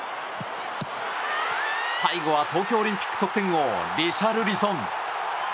最後は東京オリンピック得点王リシャルリソン。